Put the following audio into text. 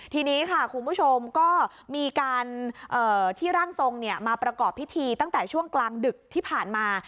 ทีนี้ค่ะคุณผู้ชมก็มีการที่ร่างทรงมาประกอบพิธีตั้งแต่ช่วงกลางดึกที่ผ่านมา